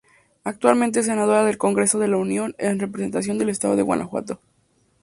Actualmente es senadora del Congreso de la Unión en representación del estado de Guanajuato.